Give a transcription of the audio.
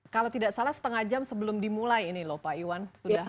kalau tidak salah setengah jam sebelum dimulai ini lho pak iwan